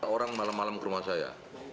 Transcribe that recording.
orang malam malam ke rumah saya